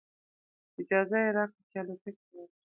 اجازه یې راکړه چې الوتکې ته ورشم.